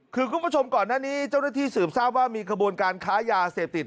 คือคุณผู้ชมก่อนหน้านี้เจ้าหน้าที่สืบทราบว่ามีขบวนการค้ายาเสพติด